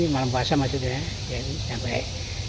malam puasa maksudnya sampai empat ratus tiga ratus